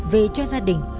về cho gia đình